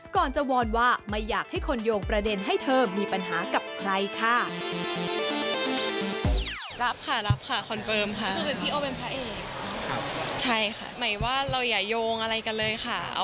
ก่อนจะวอนว่าไม่อยากให้คนโยงประเด็นให้เธอมีปัญหากับใครค่ะ